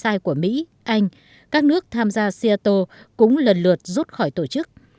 trong thời gian của mỹ anh các nước tham gia seattle cũng lần lượt rút khỏi tổ chức